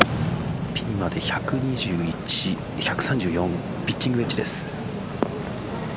ピンまで１２１１３４ピッチングエッジです。